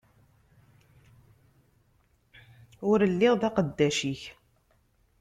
Ur lliɣ d aqeddac-ik.